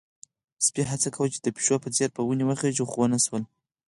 سپی هڅه کوله چې د پيشو په څېر په ونې وخيژي، خو ونه شول.